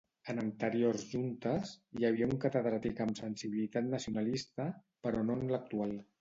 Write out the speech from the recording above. En anteriors juntes, hi havia un catedràtic amb sensibilitat nacionalista, però no en l'actual.